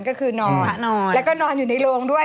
ก็คือนอนแล้วก็นอนอยู่ในโรงด้วย